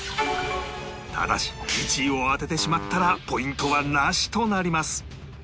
ただし１位を当ててしまったらポイントはなしとなります